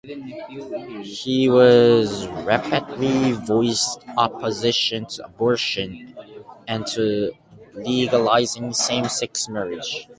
He has repeatedly voiced opposition to abortion, and to legalising same sex marriage.